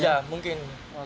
ya mungkin satu tiga